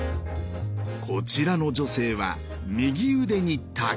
こちらの女性は右腕に滝。